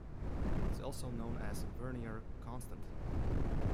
It is also known as Vernier constant.